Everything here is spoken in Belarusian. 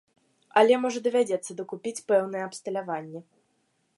Але, можа, давядзецца дакупіць пэўнае абсталяванне.